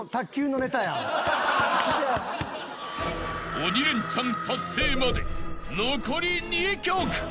［鬼レンチャン達成まで残り２曲］